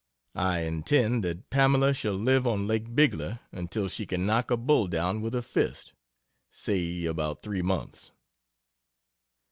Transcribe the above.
I intend that Pamela shall live on Lake Bigler until she can knock a bull down with her fist say, about three months.